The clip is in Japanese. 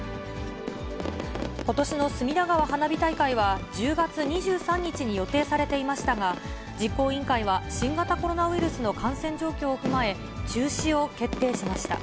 ことしの隅田川花火大会は、１０月２３日に予定されていましたが、実行委員会は、新型コロナウイルスの感染状況を踏まえ、中止を決定しました。